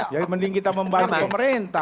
ya mending kita membantu pemerintah